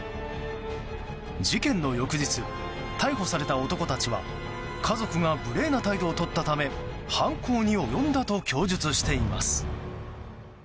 事件の翌日、逮捕された男たちは家族が無礼な態度をとったため犯行に及んだと供述しています。